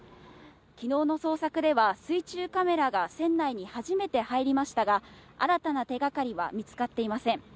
昨日の捜索では水中カメラが船内に初めて入りましたが、新たな手がかりは見つかっていません。